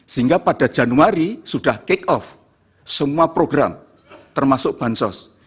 sehingga pada januari sudah kick off semua program termasuk bansos